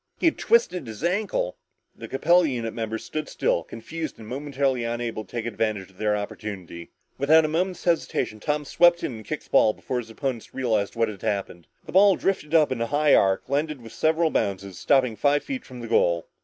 He had twisted his ankle. The Capella unit members stood still, confused and momentarily unable to take advantage of their opportunity. Without a moment's hesitation, Tom swept in and kicked the ball before his opponents realized what had happened. The ball drifted up in a high arc and landed with several bounces, stopping five feet from the goal.